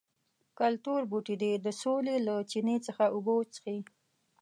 کلتور بوټي دې د سولې له چینې څخه اوبه وڅښي.